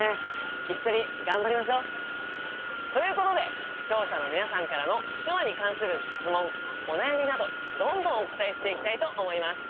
一緒に頑張りましょう！ということで視聴者の皆さんからの手話に関する質問お悩みなどどんどんお答えしていきたいと思います。